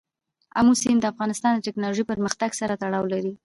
آمو سیند د افغانستان د تکنالوژۍ پرمختګ سره تړاو لري.